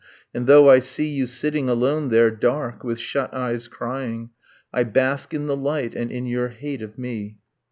. and though I see You sitting alone there, dark, with shut eyes crying, I bask in the light, and in your hate of me